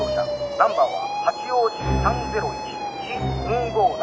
ナンバーは八王子３０１ち２５７。